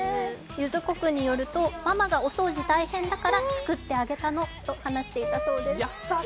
ゆづっこ君によるとママが、お掃除大変だから作ってあげたのと話していたそうです。